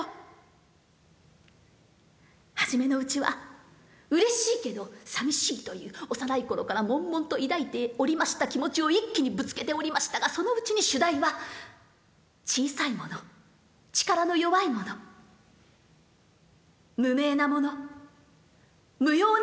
初めのうちはうれしいけどさみしいという幼い頃からもんもんと抱いておりました気持ちを一気にぶつけておりましたがそのうちに主題は小さいもの力の弱いもの無名なもの無用なもの。